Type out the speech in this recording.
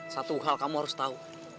satu hal kamu harus tahu